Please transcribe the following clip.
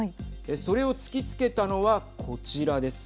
それを突きつけたのは、こちらです。